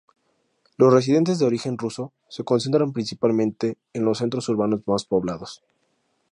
Los residentes de origen ruso se concentran principalmente en los centros urbanos más poblados.